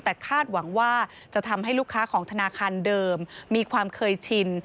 แต่คาดหวังว่าจะทำให้ลูกค้าของธนาคารเดิมมีความเคยชิน